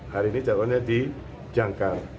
hari ini calonnya di jangkar